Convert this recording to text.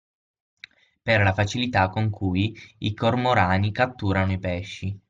Per la facilità con cui i cormorani catturano i pesci.